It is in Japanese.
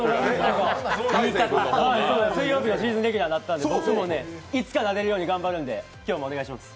水曜日のシーズンレギュラーになったので、でもいつかなれるように頑張るんで今日もよろしくお願いします！